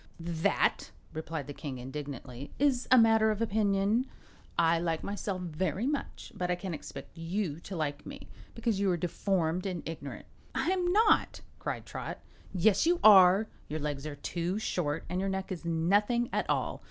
"That," replied the King, indignantly, "is a matter of opinion. I like myself very much, but I can't expect you to like me, because you're deformed and ignorant." "I'm not!" cried Trot. "Yes, you are. Your legs are too short and your neck is nothing at all.